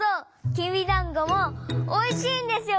きびだんごもおいしいんですよ